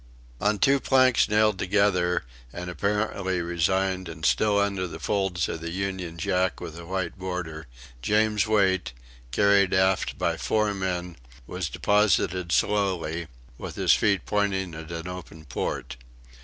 On two planks nailed together and apparently resigned and still under the folds of the Union Jack with a white border, James Wait, carried aft by four men, was deposited slowly, with his feet pointing at an open port.